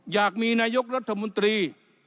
อยากมีนายกรัฐมนตรี